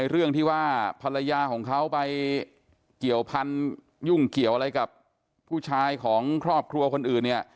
เรื่องที่ว่าภรรยาของเขาไปเกี่ยวพันยุ่งเกี่ยวอะไรกับผู้ชายของครอบครัวคนอื่นเนี่ย